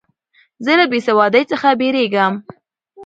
زه له بېسوادۍ څخه بېریږم.